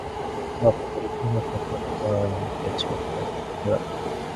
그와 반대로 춘우의 가슴은 공연히 물결치고 가늘게 떨렸다.